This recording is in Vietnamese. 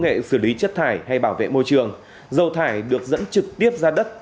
nghệ xử lý chất thải hay bảo vệ môi trường dầu thải được dẫn trực tiếp ra đất